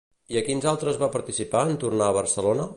I a quins altres va participar en tornar a Barcelona?